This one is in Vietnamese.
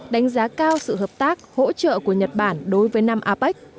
đánh giá cao sự hợp tác hỗ trợ của nhật bản đối với năm apec